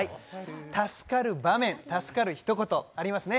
助かる場面、助かる一言、ありますね。